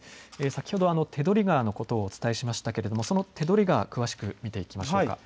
先ほど手取川のことをお伝えしましたが、その手取川を詳しく見ていきましょう。